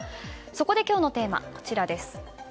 そこで今日のテーマこちらです。